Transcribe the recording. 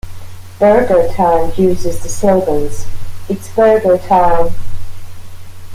Burger Time uses the slogans It's Burgertime!